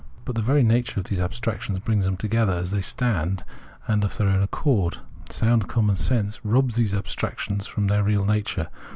But the very nature of these abstractions brings them together as they stand and of their own accord. Sound common sense robs these abstractions of their real nature.